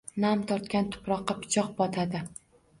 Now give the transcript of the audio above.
Nam tortgan tuproqqa pichoq botadi.